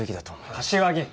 柏木！